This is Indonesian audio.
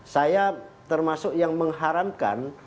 saya termasuk yang mengharamkan